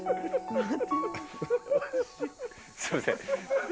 すみません。